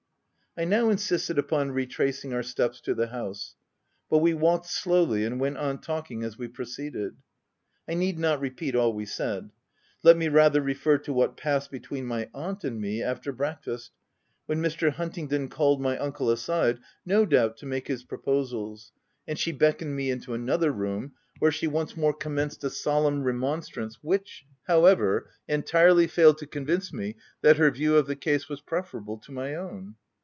I now insisted upon retracing our steps to the house ; but we walked slowly, and went on talking as we proceeded. I need not repeat all we said : let me rather refer to what passed between my aunt and me, after breakfast, when Mr. Huntingdon called my uncle aside, no doubt to make his proposals, and she beckoned 8 THE TENANT me into another room, where she once more commenced a solemn remonstrance which, how ever, entirely failed to convince me that her view of the case was preferable to my own.